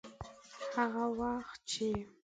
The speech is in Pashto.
هغه وخت چې.